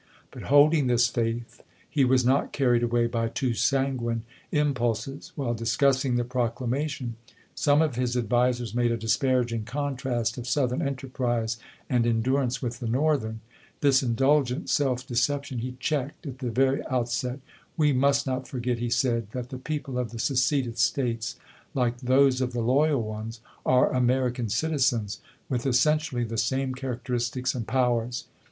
But, holding this faith, he was not carried away by too sanguine impulses. While discussing the proclamation, some of his advisers made a dis paraging contrast of Southern enterprise and endurance with the Northern. This indulgent self deception he checked at the very outset. " We must not forget," he said, " that the people of the seceded States, like those of the loyal ones, are American citizens, with essentially the same char acteristics and powers.